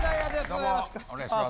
よろしくお願いします。